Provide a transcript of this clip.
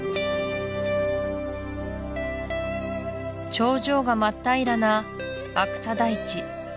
頂上が真っ平らなアクサ台地